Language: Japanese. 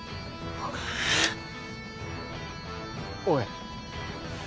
おい。